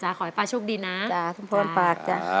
ขอให้ป๊าโชคดีนะจ๊ะคุณพ่นป่า